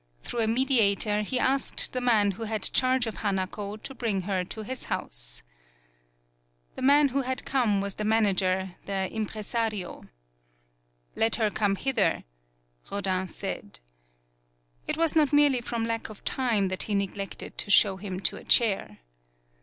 Through a mediator he asked the man who had charge of Hanako to bring her to his house. 38 HANARO The man who had come was the man ager, the impresario. "Let her come hither," Rodin said. It was not merely from lack of time that he neglected to show him to a chair.